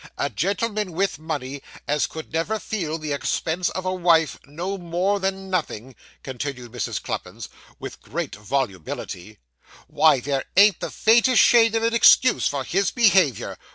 A gentleman with money, as could never feel the expense of a wife, no more than nothing,' continued Mrs. Cluppins, with great volubility; 'why there ain't the faintest shade of an excuse for his behaviour!